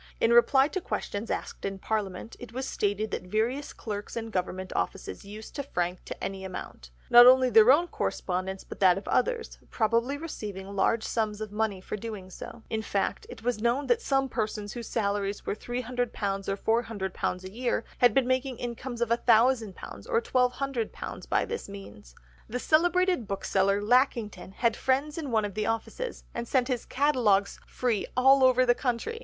In reply to questions asked in Parliament, it was stated that various clerks in Government offices used to frank to any amount—not only their own correspondence but that of others; probably receiving large sums of money for doing so. In fact it was known that some persons whose salaries were £300 or £400 a year had been making incomes of £1000 and £1200 by this means! The celebrated bookseller Lackington had friends in one of the offices, and sent his catalogues free all over the country.